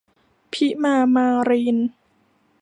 พริมา มารีน